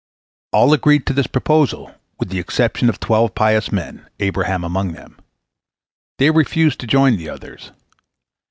All agreed to this proposal, with the exception of twelve pious men, Abraham among them. They refused to join the others.